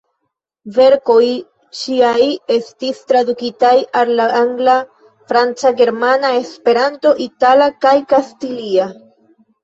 Verkoj ŝiaj estis tradukitaj al la angla, franca, germana, Esperanto, itala kaj kastilia.